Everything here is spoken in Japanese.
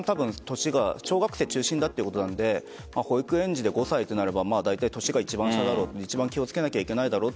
小学生中心だということなので保育園児で５歳となればだいたい年が一番下だろうと気をつけなければいけないだろう